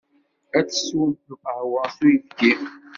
Ad teswemt lqahwa s uyefki.